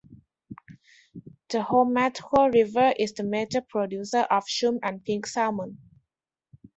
The Homathko River is a major producer of Chum and Pink salmon.